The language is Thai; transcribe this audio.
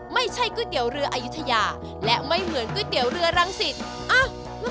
ก๋วยเตี๋ยวเรืออายุทยาและไม่เหมือนก๋วยเตี๋ยวเรือรังสิต